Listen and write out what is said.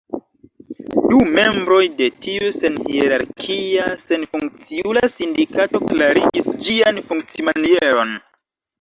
Du membroj de tiu senhierarkia, senfunkciula sindikato klarigis ĝian funkcimanieron.